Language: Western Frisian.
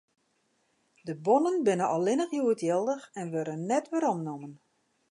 De bonnen binne allinnich hjoed jildich en wurde net weromnommen.